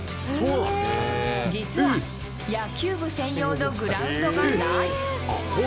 実は、野球部専用のグラウンドがない。